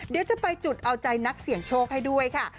เดี๋ยวจะไปจุดเอาใจนักเสี่ยงโชคให้ด้วยค่ะ